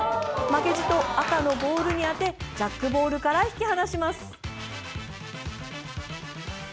負けじと赤のボールに当てジャックボールから引き離します。